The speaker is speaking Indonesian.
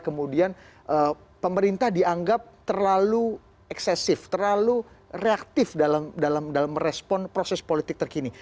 kemudian pemerintah dianggap terlalu eksesif terlalu reaktif dalam merespon proses politik terkini